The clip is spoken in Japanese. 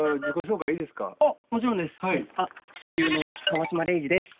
声優の川島零士です。